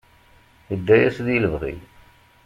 Idda yas di lebɣi.